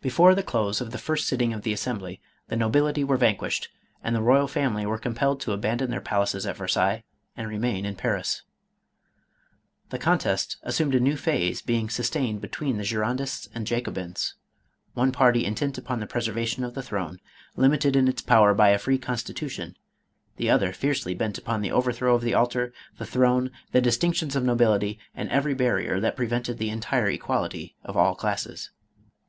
Before the close of the first sitting of the Assembly the nobility were vanquished, and the royal family were compelled to abandon their palaces at Versailles MADAME ROLAND. 499 and remain in Paris. The contest assumed a new phase, being sustained between the Girondists and Jaco bins, one party intent upon the preservation of the throne, limited in its power by a free constitution, the othe"r fiercely bent upon the overthrow of the altar, the throne, the distinctions of nobility, and every barrier that prevented the entire equality of all classes.